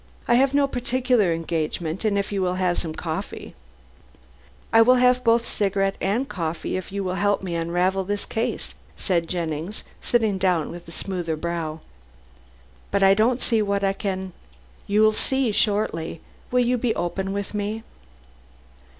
I have no particular engagement, and if you will have some coffee " "I will have both cigarette and coffee if you will help me to unravel this case," said Jennings, sitting down with a smoother brow. "But I don't see what I can " "You'll see shortly. Will you be open with me?"